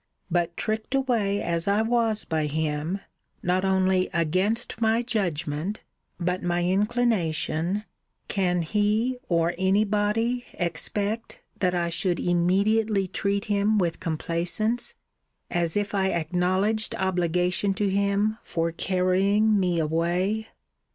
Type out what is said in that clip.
But tricked away as I was by him, not only against my judgment, but my inclination, can he, or any body, expect, that I should immediately treat him with complaisance, as if I acknowledged obligation to him for carrying me away?